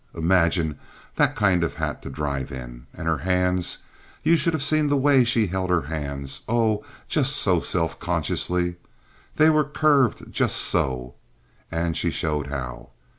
Imagine that kind of a hat to drive in. And her hands! You should have seen the way she held her hands—oh—just so—self consciously. They were curved just so"—and she showed how.